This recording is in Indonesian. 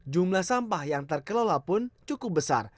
jumlah sampah yang terkelola pun cukup besar